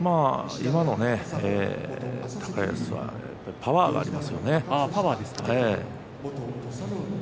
今の高安はパワーがありますね。